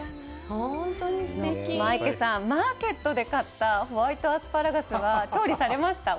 マイケさん、マーケットで買ったホワイトアスパラガスは、調理されました？